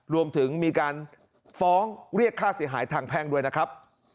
รวมถึงมีการฟ้องเรียกค่าเสียหายทางแพ่งด้วยนะครับ